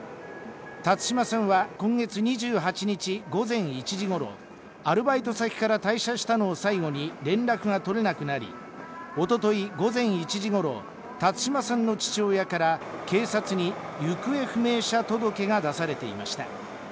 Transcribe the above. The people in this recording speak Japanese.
辰島さんは今月２８日午前１時頃、アルバイト先から退社したのを最後に連絡が取れなくなり、おととい午前１時ごろ、辰島さんの父親から警察に行方不明者届が出されていました。